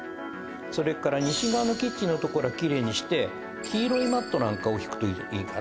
それから西側のキッチンの所はきれいにして黄色いマットなんかを敷くといいかな。